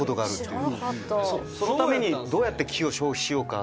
そのためにどうやって木を消費しようか。